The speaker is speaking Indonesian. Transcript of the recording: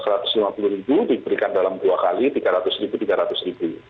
rp satu ratus lima puluh diberikan dalam dua kali rp tiga ratus rp tiga ratus